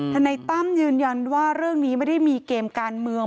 นายตั้มยืนยันว่าเรื่องนี้ไม่ได้มีเกมการเมือง